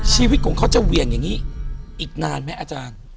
ชีวิตของเขาจะเหวี่ยงอย่างนี้อีกนานไหมอาจารย์